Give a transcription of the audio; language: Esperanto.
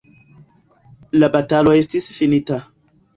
La batalo estis finita.